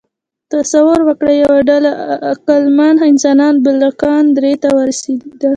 تصور وکړئ، یوه ډله عقلمن انسانان بالکان درې ته ورسېدل.